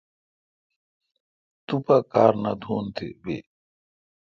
تو پا کار نہ تھون تی بی۔